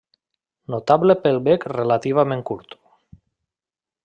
Notable pel bec relativament curt.